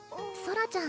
ソラちゃん